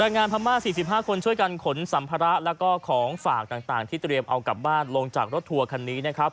งานพม่า๔๕คนช่วยกันขนสัมภาระแล้วก็ของฝากต่างที่เตรียมเอากลับบ้านลงจากรถทัวร์คันนี้นะครับ